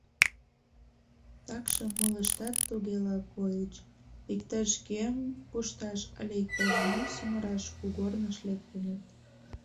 Такшым молыштат тугела койыч: иктаж-кӧм пушташ але иктаж-мом сӱмыраш кугорныш лектыныт.